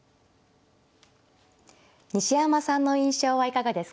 西山さんの印象はいかがですか。